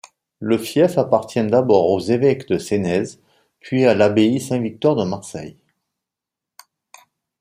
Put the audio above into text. Le fief appartient d’abord aux évêques de Senez, puis à l’abbaye Saint-Victor de Marseille.